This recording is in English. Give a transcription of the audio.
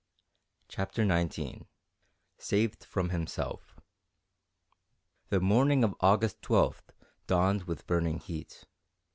CHAPTER XIX SAVED FROM HIMSELF The morning of August twelfth dawned with burning heat.